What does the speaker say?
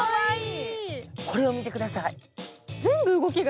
これを見てください。